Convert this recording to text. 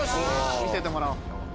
見せてもらおう。